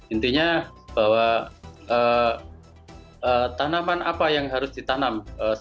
intinya bahwa tanaman apa yang harus ditanam